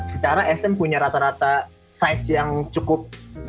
secara sm punya rata rata size yang cukup